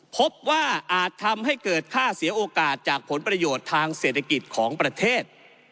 พบว่าอาจทำให้เกิดค่าเสียโอกาสจากผลประโยชน์ทางเศรษฐกิจของประเทศ